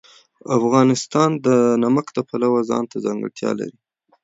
افغانستان د نمک د پلوه ځانته ځانګړتیا لري.